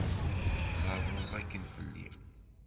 Ẓeṛṛeẓ akin fell-i!